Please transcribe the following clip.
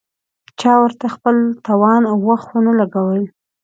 چا ورته خپل توان او وخت ونه لګولې.